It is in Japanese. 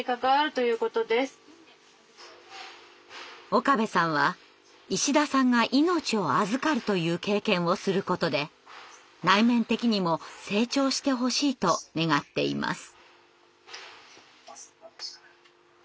岡部さんは石田さんが命を預かるという経験をすることで内面的にも成長してほしいと願っています。